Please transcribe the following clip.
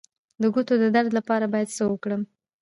د ګوتو د درد لپاره باید څه وکړم؟